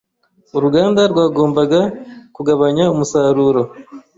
Uruganda rwagombaga kugabanya umusaruro.